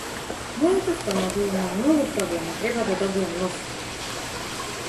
Мојот автомобил има многу проблеми и треба да добијам нов.